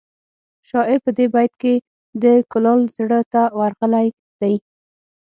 شاعر په دې بیت کې د کلال زړه ته ورغلی دی